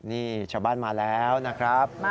นี่ชาวบ้านมาแล้วนะครับ